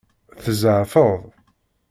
Tzeɛfeḍ?